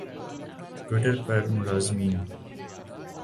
Twitter پر ملازمین